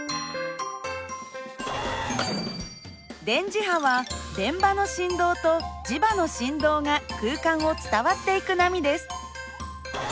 電磁波は電場の振動と磁場の振動が空間を伝わっていく波です。